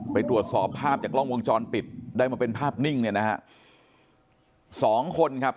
ไปตรวจสอบภาพด้วยกล้องวงจรปิดได้มาเป็นภาพนิ่งเนี่ย